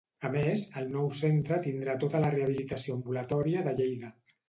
A més, el nou centre tindrà tota la rehabilitació ambulatòria de Lleida.